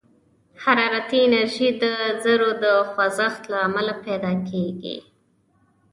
حرارتي انرژي د ذرّو د خوځښت له امله پيدا کېږي.